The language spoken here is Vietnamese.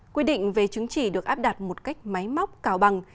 quy định về chứng chỉ được áp đặt một cách máy móc cào bằng